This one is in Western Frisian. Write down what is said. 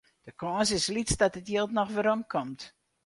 De kâns is lyts dat it jild noch werom komt.